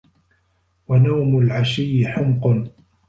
وَنَوْمُ الْعَشِيِّ حُمْقٌ